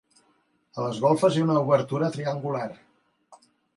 A les golfes hi ha una obertura triangular.